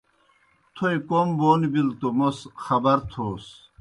تھوئے کوْم بون بِلوْ توْ موْس خبر تھوس۔